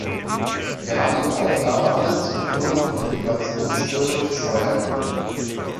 Wir haben die Aufgabe, alles zu tun, um die Migrationsströme zu steuern.